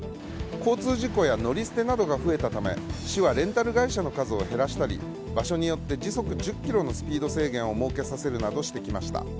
交通事故や乗り捨てなどが増えたため市はレンタル会社の数を減らしたり場所によって時速１０キロのスピード制限を設けさせるなどしてきました。